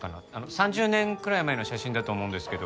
３０年くらい前の写真だと思うんですけど。